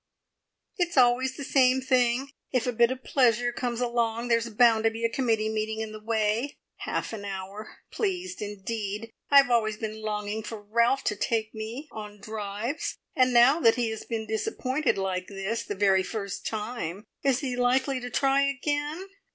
"It's always the same thing; if a bit of pleasure comes along, there's bound to be a committee meeting in the way! Half an hour! Pleased, indeed! I've always been longing for Ralph to take me drives, and now that he has been disappointed like this, the very first time, is he likely to try again?